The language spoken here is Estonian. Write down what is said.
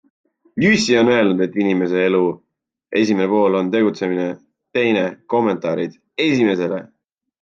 Jüssi on öelnud, et inimese elu esimene pool on tegutsemine, teine kommentaarid esimesele.